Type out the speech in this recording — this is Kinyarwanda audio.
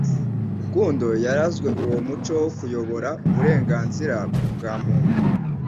Rukundo yarazwe uwo muco wo kuyobora uburenganzira bwa muntu